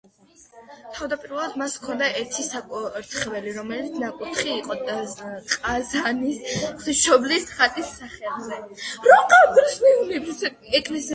თავდაპირველად მას ჰქონდა ერთი საკურთხეველი, რომელიც ნაკურთხი იყო ყაზანის ღვთისმშობლის ხატის სახელზე.